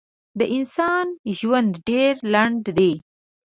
د انسان ژوند ډېر لنډ دی.